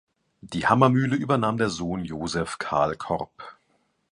Die Hammermühle übernahm der Sohn Joseph Carl Korb.